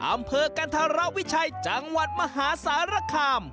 อำเภอกันธรวิชัยจังหวัดมหาสารคาม